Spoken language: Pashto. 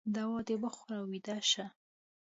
دوا د وخوره او ویده شه